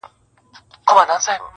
له لېوه څخه پسه نه پیدا کیږي!